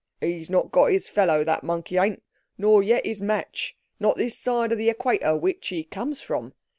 He's not got his fellow that monkey ain't, nor yet his match, not this side of the equator, which he comes from.